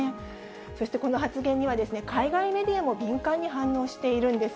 そして、この発言には海外メディアも敏感に反応しているんです。